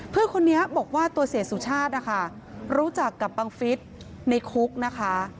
เพื่อนคนนี้บอกว่าตัวเสียสุชาตินะคะรู้จักกับบังฟิศในคุกนะคะ